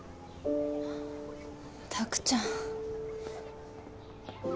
拓ちゃん。